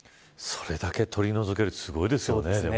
それだけ取り除けるってすごいですね。